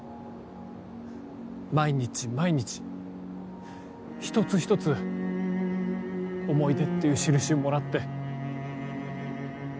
毎日毎日一つ一つ思い出っていう印をもらって。